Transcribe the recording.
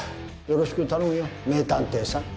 よろしく頼むよ、名探偵さん。